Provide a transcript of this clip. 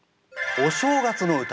「お正月」の歌？